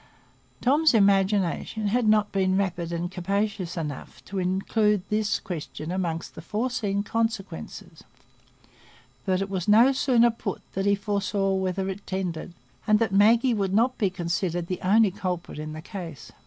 Tom's imagination had not been rapid and capacious enough to include this question among the foreseen consequences, but it was no sooner put than he foresaw whither it tended, and that Maggie would not be considered the only culprit in the case.